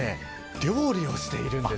料理をしているんです。